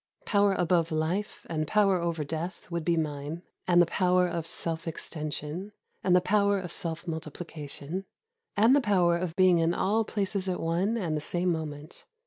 Power above Hfe and power over death would be mine, — and the power of self extension, and the power of self multiplication, and the power of being in all places at one and the same moment.